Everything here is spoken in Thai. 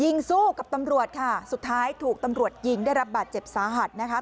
สู้กับตำรวจค่ะสุดท้ายถูกตำรวจยิงได้รับบาดเจ็บสาหัสนะคะ